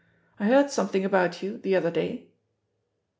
I heard something about you the other day."